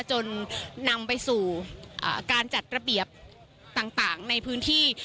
จนนำไปสู่การจัดระเบียบต่างในพื้นที่